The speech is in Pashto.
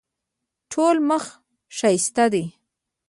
ټوله مخ ښایسته ده.